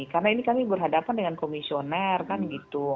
karena ini kami berhadapan dengan komisioner kan gitu